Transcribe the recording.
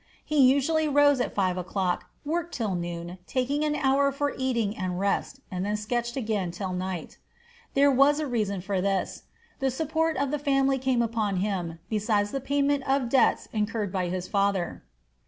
He usually rose at five o'clock, worked till noon, taking an hour for eating and rest, and then sketched again till night. There was a reason for this. The support of the family came upon him, besides the payment of debts incurred by his father.